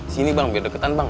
sini bang biar deketan bang